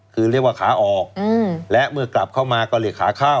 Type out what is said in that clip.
คือเรียกว่าขาออกและเมื่อกลับเข้ามาก็เรียกขาเข้า